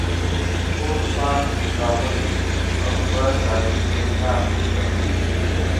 ټول پاڼ راولويد او دوه څاروي ترې لانې شول